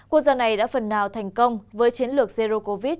quốc gia này đã phần nào thành công với chiến lược zero covid